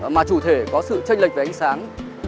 mà chủ thể có sự tranh lệch về ánh sáng